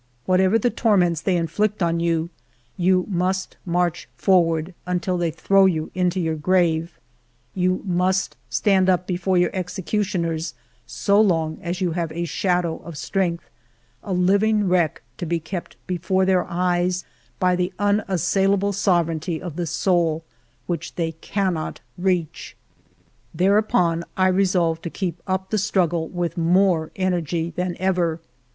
Whatever the torments they in flict on you, you must march forward until they throw you into your grave, you must stand up before your executioners so long as you have a shadow of strength, a living wreck to be kept be fore their eyes by the unassailable sovereignty of the soul wliich they cannot reach." ALFRED DREYFUS 225 Thereupon I resolved to keep up the struggle with more energy than ever.